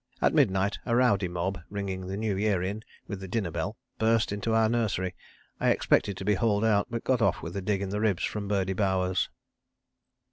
At midnight a rowdy mob, ringing the New Year in with the dinner bell, burst into our Nursery. I expected to be hauled out, but got off with a dig in the ribs from Birdie Bowers.